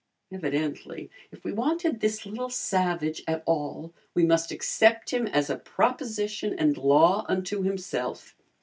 Evidently, if we wanted this little savage at all we must accept him as a proposition and law unto himself.